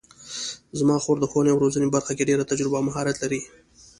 زما خور د ښوونې او روزنې په برخه کې ډېره تجربه او مهارت لري